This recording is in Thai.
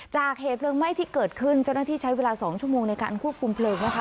เหตุเพลิงไหม้ที่เกิดขึ้นเจ้าหน้าที่ใช้เวลา๒ชั่วโมงในการควบคุมเพลิงนะคะ